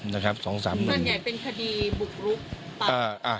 นะครับสองสามจนใหญ่เป็นคดีบุกรุกเอ่ออ่า